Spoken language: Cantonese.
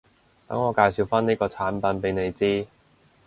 等我介紹返呢個產品畀你知